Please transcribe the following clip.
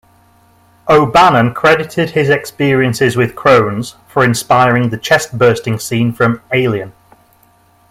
O'Bannon credited his experiences with Crohn's for inspiring the chest-bursting scene from "Alien".